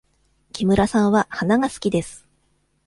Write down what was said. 木村さんは花が好きです。